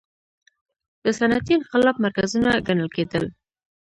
د صنعتي انقلاب مرکزونه ګڼل کېدل.